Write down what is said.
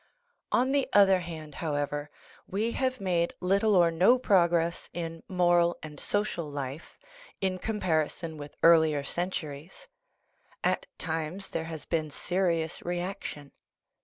On the other hand, however, we have made little or no prog ress in moral and social life, in comparison with earlier centuries; at times there has been serious reaction.